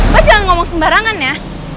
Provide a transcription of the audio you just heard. pak jangan ngomong sembarangan ya